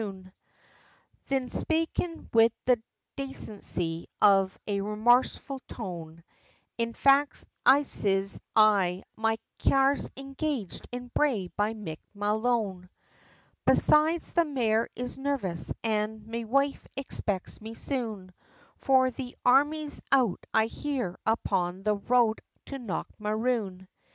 Thin spakin' wid the dacency, of a remorseful tone, "In fact," siz I, "me car's engaged, in Bray, by Mick Malone; Besides the mare is nervous, an' me wife expects me soon, For the army's out, I hear, upon the road to Knockmaroon!"